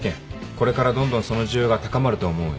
これからどんどんその需要が高まると思うんよ。